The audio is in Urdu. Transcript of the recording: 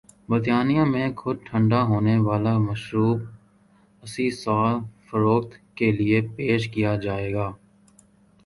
برطانیہ میں خود ٹھنڈا ہونے والا مشروب اسی سال فروخت کے لئے پیش کیاجائے گا۔